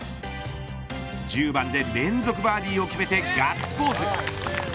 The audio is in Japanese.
１０番で連続バーディーを決めてガッツポーズ。